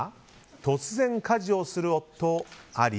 突然家事をする夫あり？